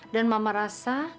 dan mama rasa